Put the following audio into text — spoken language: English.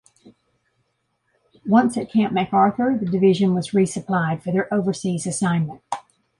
Once at Camp MacArthur, the division was resupplied for their overseas assignment.